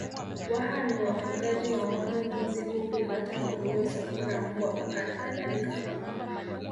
Waha ni wafugaji wa ngombe mbuzi kuku bata nguruwe sungura mbwa paka na kadhalika